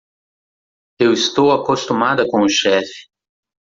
Eu estou acostumada com o chefe.